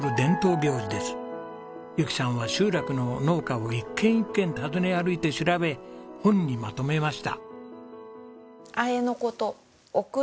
由紀さんは集落の農家を一軒一軒訪ね歩いて調べ本にまとめました。